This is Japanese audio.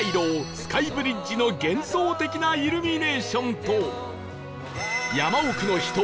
スカイブリッジの幻想的なイルミネーションと山奥の秘湯